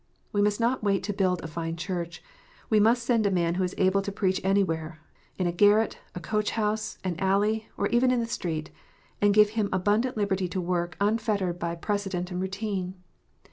We must not wait to build a fine church. We must send a man who is able to preach anywhere, in a garret, a coach house, an alley, or even in the street, and give him abundant liberty to work, unfettered by precedent and routine.